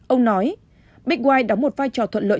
ông nói big white đóng một vai trò thuận lợi